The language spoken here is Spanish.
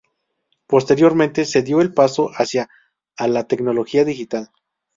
Posteriormente se dio el paso hacia a la tecnología digital.